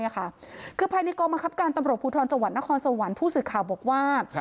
คือภายในกองบังคับการตำรวจภูทรจังหวัดนครสวรรค์ผู้สื่อข่าวบอกว่า